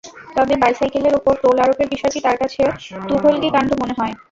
তবে বাইসাইকেলের ওপর টোল আরোপের বিষয়টি তাঁর কাছে তুঘলকি কাণ্ড মনে হয়।